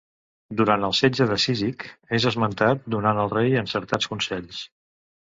Durant el setge de Cízic és esmentat donant al rei encertats consells.